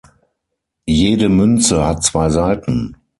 Jede Münze hat zwei Seiten.